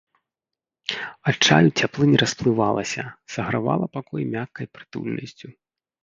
Ад чаю цяплынь расплывалася, сагравала пакой мяккай прытульнасцю.